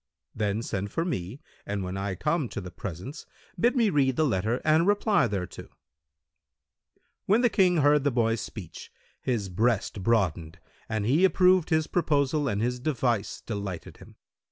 Then send for me and, when I come to the presence, bid me read the letter and reply thereto." When the King heard the boy's speech, his breast broadened and he approved his proposal and his device delighted him.